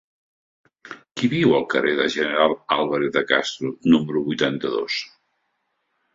Qui viu al carrer del General Álvarez de Castro número vuitanta-dos?